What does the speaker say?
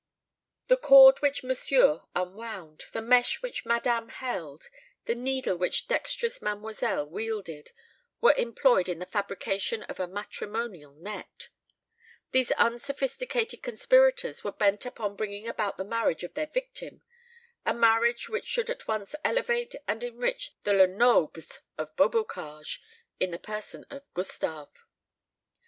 The cord which monsieur unwound, the mesh which madame held, the needle which dexterous mademoiselle wielded, were employed in the fabrication of a matrimonial net. These unsophisticated conspirators were bent upon bringing about the marriage of their victim, a marriage which should at once elevate and enrich the Lenobles of Beaubocage, in the person of Gustave.